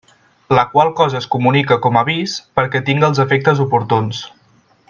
La qual cosa es comunica com a avis perquè tinga els efectes oportuns.